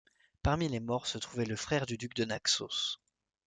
Parmi les morts se trouvait le frère du duc de Naxos.